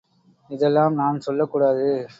இதெல்லாம் நான் சொல்லக்கூடாது.